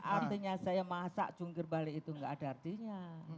artinya saya masak jungkir balik itu nggak ada artinya